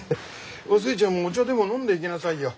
お寿恵ちゃんもお茶でも飲んでいきなさいよ。